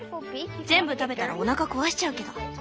全部食べたらおなか壊しちゃうけど。